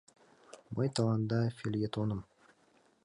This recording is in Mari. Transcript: — Мый тыланда фельетоным...